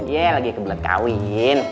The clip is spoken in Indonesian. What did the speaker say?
ye lagi kebelet kawin